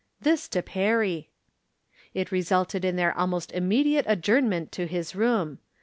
This to Perry. It resulted in their almost immediate adjourn ment to his room.